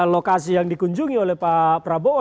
lokasi yang dikunjungi oleh pak prabowo